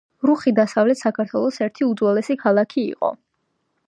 რუხი დასავლეთ საქართველოს ერთი უძველესი ქალაქი იყო.